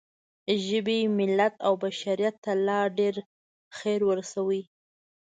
ژبې، ملت او بشریت ته لا ډېر خیر ورسوئ.